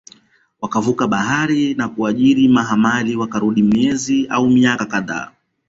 wakavuka bahari na kuajiri mahamali Wakarudi miezi au miaka kadhaa